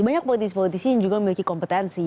banyak politisi politisi yang juga memiliki kompetensi